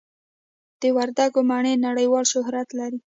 د وردګو مڼې نړیوال شهرت لري.